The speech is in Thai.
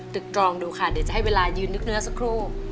ตึกกรองดูค่ะเดี๋ยวจะให้เวลายืนนึกเนื้อสักครู่